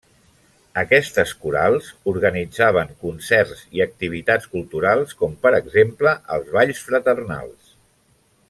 Aquestes corals organitzaven concerts i activitats culturals, com per exemple, els balls fraternals.